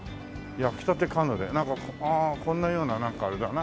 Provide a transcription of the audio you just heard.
「焼きたてカヌレ」なんかあーこんなようななんかあれだな。